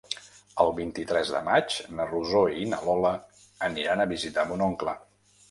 El vint-i-tres de maig na Rosó i na Lola aniran a visitar mon oncle.